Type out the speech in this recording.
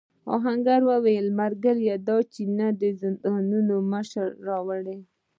آهنګر وویل ملګري دا چپنه د زندان مشر ته راوړې.